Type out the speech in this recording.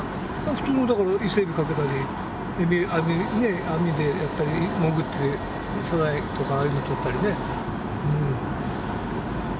普通のイセエビかけたりエビ網でやったり潜ってサザエとかああいうのとったりね。